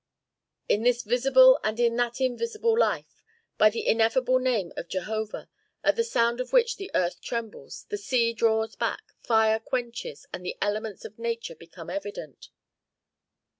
"In this visible and in that invisible life. By the ineffable name of Jehovah, at the sound of which the earth trembles, the sea draws back, fire quenches, and the elements of nature become evident."